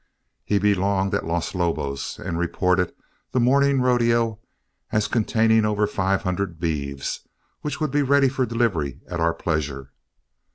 He belonged at Los Lobos, and reported the morning rodeo as containing over five hundred beeves, which would be ready for delivery at our pleasure.